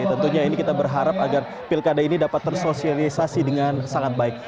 tentunya ini kita berharap agar pilkada ini dapat tersosialisasi dengan sangat baik